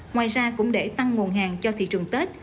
ngoài ra cũng để tăng nguồn hàng cho thị trường tết